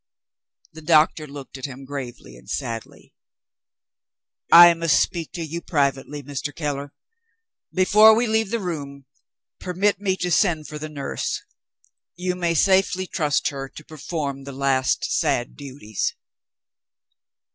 The doctor looked at him gravely and sadly. "I must speak to you privately, Mr. Keller. Before we leave the room, permit me to send for the nurse. You may safely trust her to perform the last sad duties."